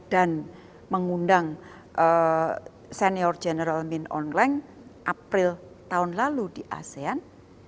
dan mengundang senior general min aung hlaing april tahun lalu di asean